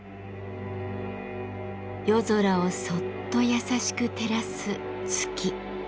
夜空をそっと優しく照らす月。